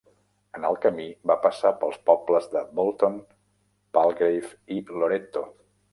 En el camí, va passar pels pobles de Bolton, Palgrave i Loretto.